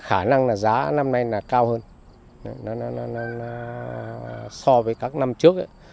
khả năng là giá năm nay là cao hơn so với các năm trước